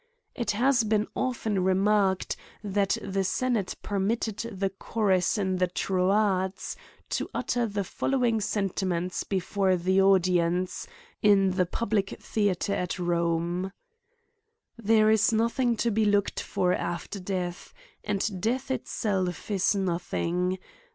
It has been often remarked, that the senate per mitted the chorus in the Troades, to utter the following sentiments before the audience, in the public theatre at Rome. " There is nothing to be looked for after deaths and death itself is nothing.